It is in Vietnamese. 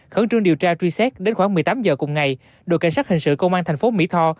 khẩn trương điều tra truy xét đến khoảng một mươi tám h cùng ngày đội cảnh sát hình sự công an thành phố mỹ tho